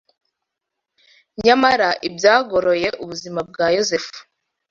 Nyamara ibyagoroye ubuzima bwa Yosefu